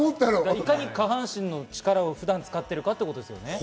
いかに下半身の力を普段使ってるかってことですよね。